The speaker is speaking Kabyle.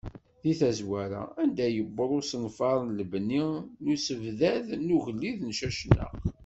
Deg tazwara, anda yewweḍ usenfar n lebni n usebddad n ugellid Cacnaq.